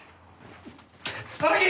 荒木！